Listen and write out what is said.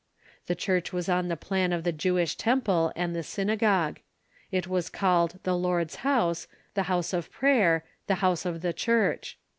The church was on the plan of the Jewish tem ple and the synagogue. It was called the Lord's house, the house of prayer, the house of the Church.